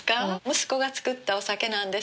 息子が造ったお酒なんです。